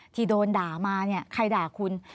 ที่โดนด่ามาใครด่าคุณ